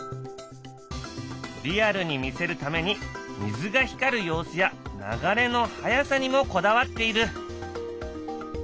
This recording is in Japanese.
リアルに見せるために水が光る様子や流れの速さにもこだわっている。